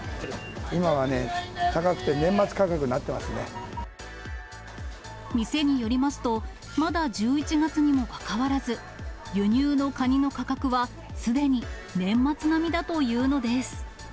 今はね、店によりますと、まだ１１月にもかかわらず、輸入のカニの価格はすでに年末並みだというのです。